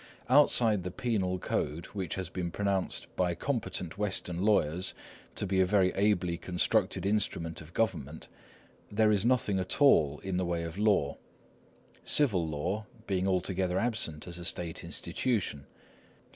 Outside the penal code, which has been pronounced by competent Western lawyers to be a very ably constructed instrument of government, there is nothing at all in the way of law, civil law being altogether absent as a state institution.